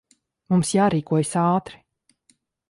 Mums jārīkojas ātri.